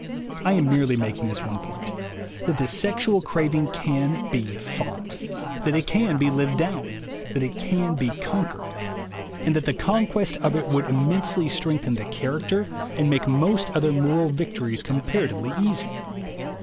I am merely making this one point : that die sexual craving can be fought, that it can be lived down, that it can be conquered, and that the conquest of THE WAY TO WILL POWER 107 it would immensely strengthen the character, and make most other moral victories comparatively easy.